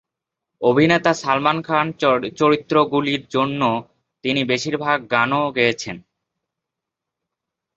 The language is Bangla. অভিনেতা সালমান খান চলচ্চিত্রগুলির জন্য তিনি বেশিরভাগ গানও গেয়েছেন।